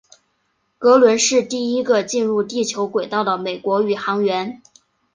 格伦是第一个进入地球轨道的美国宇航员。